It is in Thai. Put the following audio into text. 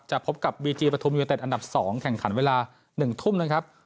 พบกับบีจีปฐุมยูเนเต็ดอันดับ๒แข่งขันเวลา๑ทุ่มนะครับ